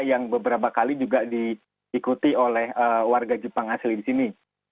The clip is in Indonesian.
yang beberapa kali juga diikuti oleh warga jepang asli di sini